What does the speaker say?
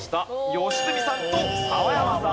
良純さんと澤山さん。